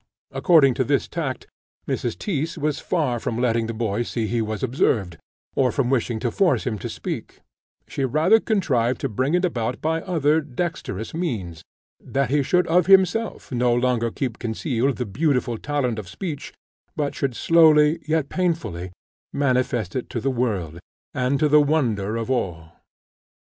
According to this tact, Mrs. Tyss was far from letting the boy see he was observed, or from wishing to force him to speak; she rather contrived to bring it about by other dexterous means, that he should of himself no longer keep concealed the beautiful talent of speech, but should slowly, yet plainly, manifest it to the world, and to the wonder of all.